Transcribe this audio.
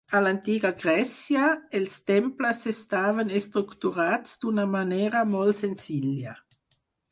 A l'antiga Grècia, els temples estaven estructurats d'una manera molt senzilla.